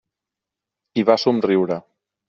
I va somriure.